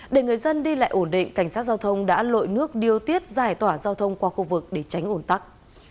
để người dân đi lại ổn định cảnh sát giao thông đã lội nước điều tiết giải tỏa giao thông qua khu vực để tránh ổn tắc